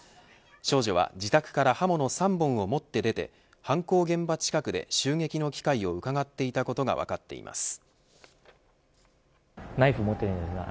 少女は自宅から刃物３本を持って出て犯行現場近くで襲撃の機会をうかがっていたことが分かっています。